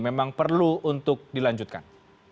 memang perlu untuk dilanjutkan